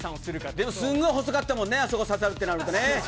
でもすんごい細かったもんね、あそこ刺さるってなるとね。